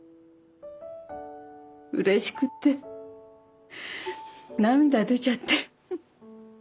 うれしくて涙出ちゃって。